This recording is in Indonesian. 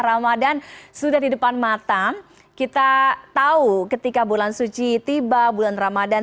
ramadhan sudah di depan mata kita tahu ketika bulan suci tiba bulan ramadan